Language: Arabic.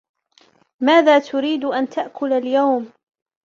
ماذا تريد أن تأكل اليوم؟